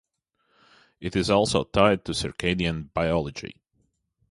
It is also tied to circadian biology.